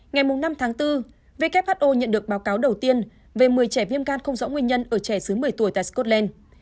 ngày năm tháng bốn who nhận được báo cáo đầu tiên về một mươi trẻ viêm gan không rõ nguyên nhân ở trẻ dưới một mươi tuổi tại scotland